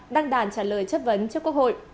đang đàn trả lời chất vấn cho quốc hội